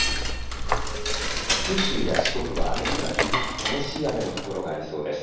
九州や四国は雨となり激しい雨の所がありそうです。